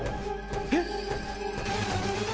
えっ？